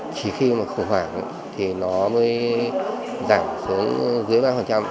chỉ khi mà khủng hoảng thì nó mới giảm xuống dưới ba